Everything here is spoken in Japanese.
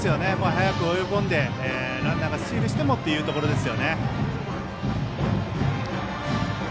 早く追い込んでランナーがスチールしてもというところです。